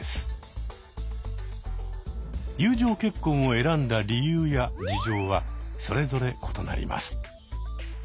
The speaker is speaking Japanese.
友情結婚を選んだ理由や事情はそれぞれ異なります。